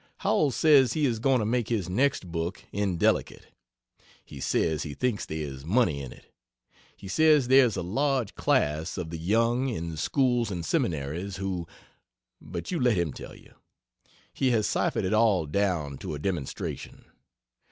Howells says he is going to make his next book indelicate. He says he thinks there is money in it. He says there is a large class of the young, in schools and seminaries who But you let him tell you. He has ciphered it all down to a demonstration.